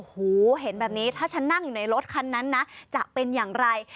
หูเห็นแบบนี้ถ้าฉันนั่งอยู่ในรถคันนั้นนะจะเป็นอย่างไร